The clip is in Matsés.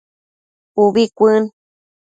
Ubi cuën